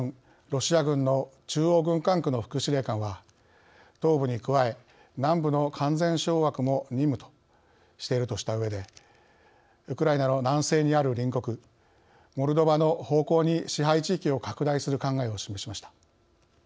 ロシア軍の中央軍管区の副司令官は「東部に加え南部の完全掌握も任務」としているとしたうえでウクライナの南西にある隣国モルドバの方向に支配地域を拡大する考えを示しました。